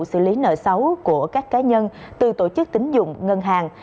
xử lý nợ xấu của các cá nhân từ tổ chức tính dụng ngân hàng